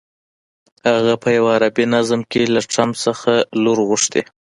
هغه په یوه عربي نظم کې له ټرمپ نه لور غوښتې.